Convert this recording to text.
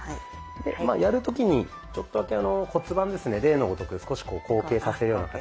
でやる時にちょっとだけ骨盤ですね例のごとく少しこう後傾させるような形。